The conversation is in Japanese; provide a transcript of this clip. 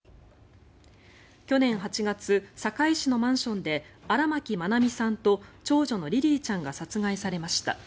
去年８月、堺市のマンションで荒牧愛美さんと長女のリリィちゃんが殺害されました。